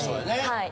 はい。